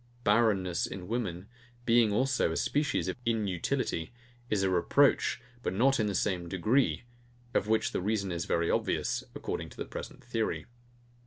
BARRENNESS in women, being also a species of INUTILITY, is a reproach, but not in the same degree: of which the reason is very obvious, according to the present theory.